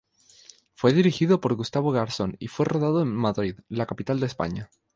Fue dirigido por Gustavo Garzón y fue rodado en Madrid, la capital de España.